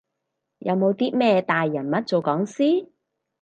有冇啲咩大人物做講師？